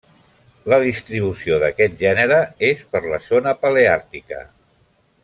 La distribució d'aquest gènere és per la zona paleàrtica.